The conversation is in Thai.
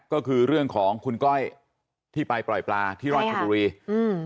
ก็คือเรื่องของคุณก้อยที่ไปปล่อยปลาที่ราชบุรีอืม